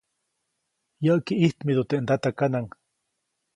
Yäʼki ʼijtmidu teʼ ndatakanaʼŋ.